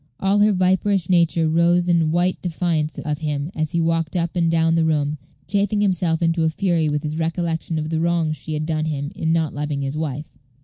All her viperish nature rose in white defiance of him, as he walked up and down the room, chafing himself into a fury with his recollection of the wrong she had done him in not loving his wife.